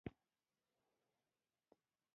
په جګړه کې د مدیریت ستونزې موجودې وې.